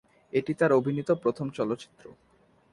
এটি তার অভিনীত প্রথম চলচ্চিত্র।